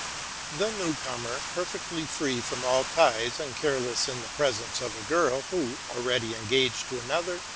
The new comer, perfectly free from all ties, and careless in the presence of a girl, who, already engaged to another.